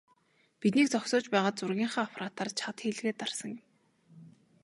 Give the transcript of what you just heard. "Биднийг зогсоож байгаад зургийнхаа аппаратаар чад хийлгээд дарсан юм" гэв.